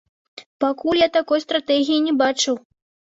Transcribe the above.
Пакуль я такой стратэгіі не бачу.